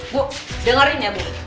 bu dengerin ya bu